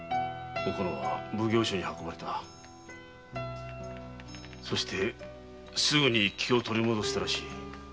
おこのは奉行所へ運ばれたそしてすぐに気を取り戻したらしい。